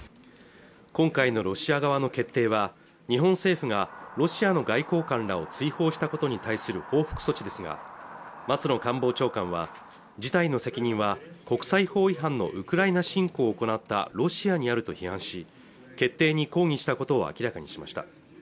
今回のロシア側の決定は日本政府がロシアの外交官らを追放したことに対する報復措置ですが松野官房長官は事態の責任は国際法違反のウクライナ侵攻を行ったロシアにあると批判し決定に抗議したことを明らかにしました